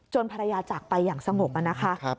๒๐๑๐จนภรรยาจักรไปอย่างสงบ